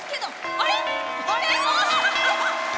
あれ？